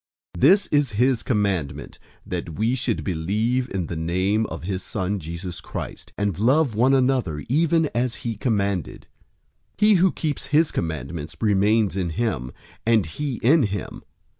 003:023 This is his commandment, that we should believe in the name of his Son, Jesus Christ, and love one another, even as he commanded. 003:024 He who keeps his commandments remains in him, and he in him.